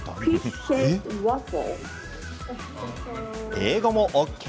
英語もＯＫ！